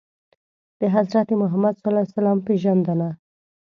د حضرت محمد ﷺ پېژندنه